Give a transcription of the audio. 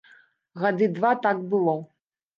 Гады два так было.